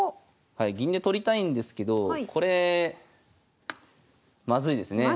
はい銀で取りたいんですけどこれまずいですね。